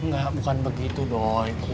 enggak bukan begitu doi